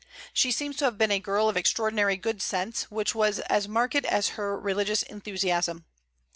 She seems to have been a girl of extraordinary good sense, which was as marked as her religious enthusiasm.